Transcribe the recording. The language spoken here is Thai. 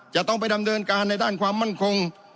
จะต้องไปดำเนินการในด้านความมั่นคง